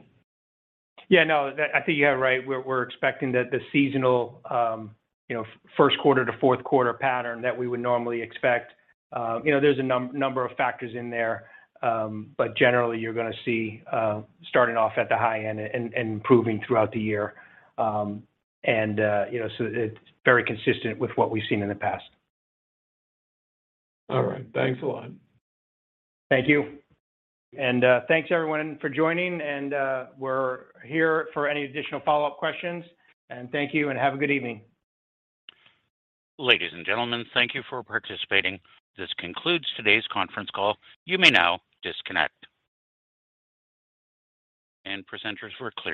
Yeah, no, I think you are right. We're expecting that the seasonal, you know, first quarter to fourth quarter pattern that we would normally expect. You know, there's a number of factors in there. Generally, you're gonna see starting off at the high end and improving throughout the year. You know, it's very consistent with what we've seen in the past. All right. Thanks a lot. Thank you. Thanks everyone for joining. We're here for any additional follow-up questions. Thank you and have a good evening. Ladies and gentlemen, thank you for participating. This concludes today's conference call. You may now disconnect. Presenters, we're clear.